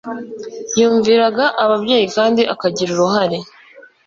yumviraga ababyeyi kandi akagira uruhare